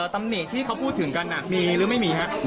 ตำหนิที่เขาพูดถึงกันมีหรือไม่มีครับ